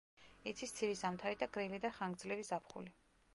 იცის ცივი ზამთარი და გრილი და ხანგრძლივი ზაფხული.